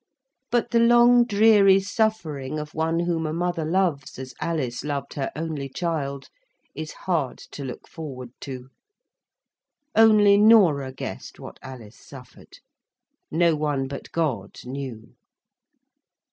But the long dreary suffering of one whom a mother loves as Alice loved her only child, is hard to look forward to. Only Norah guessed what Alice suffered; no one but God knew.